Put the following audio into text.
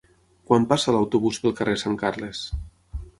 Quan passa l'autobús pel carrer Sant Carles?